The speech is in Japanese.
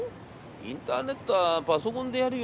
インターネットはパソコンでやるよ。